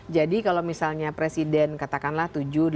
jadi kalau misalnya presiden katakanlah tujuh delapan